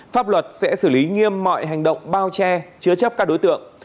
pháp luật sẽ xử lý nghiêm mọi hành động bao che chứa chấp các đối tượng